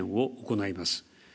行います。